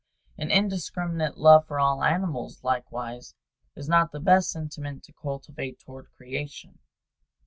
An indiscriminate love for all animals, likewise, is not the best sentiment to cultivate toward creation.